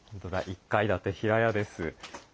１階建て平屋です。